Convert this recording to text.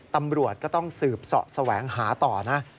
ตำรวจก็ต้องสืบเสาะแสวงหาต่อนะ